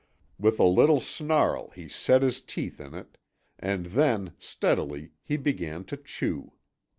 With a little snarl he set his teeth in it. And then, steadily, he began to chew.